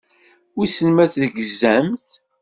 Wissen ma tegzamt.